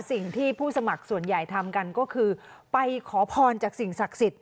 ผู้สมัครส่วนใหญ่ทำกันก็คือไปขอพรจากสิ่งศักดิ์สิทธิ